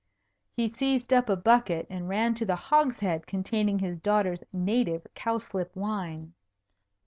He seized up a bucket and ran to the hogshead containing his daughter's native cowslip wine.